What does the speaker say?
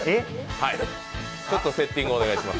ちょっとセッティングをお願いします。